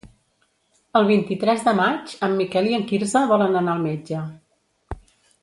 El vint-i-tres de maig en Miquel i en Quirze volen anar al metge.